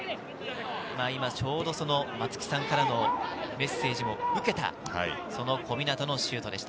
今ちょうどその松木さんからのメッセージも受けた、その小湊のシュートでした。